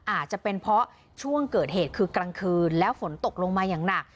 อาจจะเป็นเพราะช่วงเกิดเหตุคือกลางคืนแล้วฝนตกลงมาอย่างหนัก